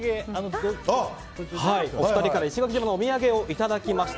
お二人から石垣島のお土産をいただきました。